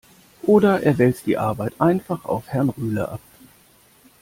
Oder er wälzt die Arbeit einfach auf Herrn Rühle ab.